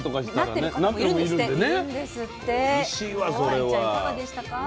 亜香里ちゃんいかがでしたか？